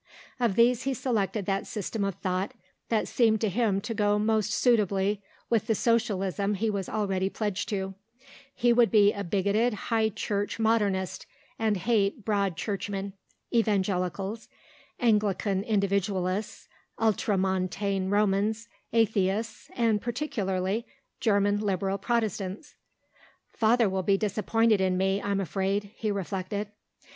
Of these he selected that system of thought that seemed to him to go most suitably with the Socialism he was already pledged to; he would be a bigoted High Church Modernist, and hate Broad Churchmen, Evangelicals, Anglican Individualists, Ultramontane Romans, Atheists, and (particularly) German Liberal Protestants. "Father will be disappointed in me, I'm afraid," he reflected.